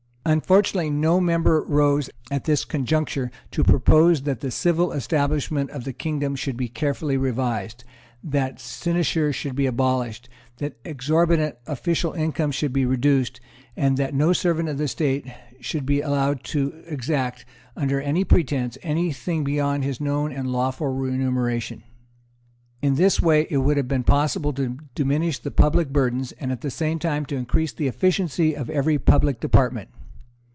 Unfortunately no member rose at this conjuncture to propose that the civil establishment of the kingdom should be carefully revised, that sinecures should be abolished, that exorbitant official incomes should be reduced, and that no servant of the State should be allowed to exact, under any pretence, any thing beyond his known and lawful remuneration. In this way it would have been possible to diminish the public burdens, and at the same time to increase the efficiency of every public department.